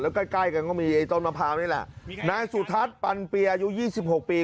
ใกล้ใกล้กันก็มีไอ้ต้นมะพร้าวนี่แหละนายสุทัศน์ปันเปียอายุยี่สิบหกปี